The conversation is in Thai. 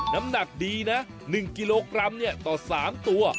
น้ำหนักดีนะ๑กิโลกรัมต่อ๓ตัว